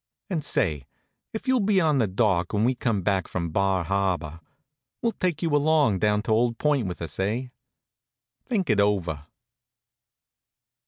And say, if you'll be on the dock when we come back from Bar Harbor, we'll take you along down to Old Point with us. Eh? Think it over.